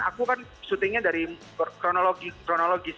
aku kan shootingnya dari kronologi